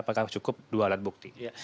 apakah cukup dua alat bukti